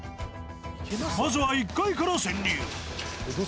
まずは１階から潜入。